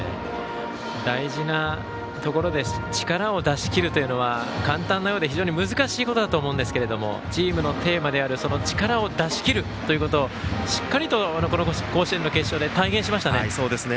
大事なところで力を出しきるというのは簡単なようで非常に難しいことだと思うんですけれどもチームのテーマである力を出しきるということをしっかりと甲子園の決勝で体現しましたね。